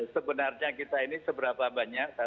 sebenarnya kita ini seberapa banyak